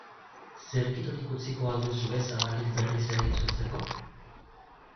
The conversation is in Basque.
Zirrikiturik utziko al duzue zabalik berriz ere itzultzeko?